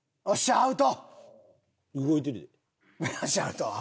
アウト！